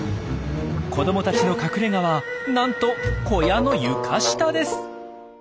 子どもたちの隠れがはなんと小屋の床下です！